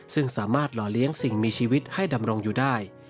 ซึ่งสามารถหล่อเลี้ยงสิ่งมีชีวิตให้ดำรงอยู่ได้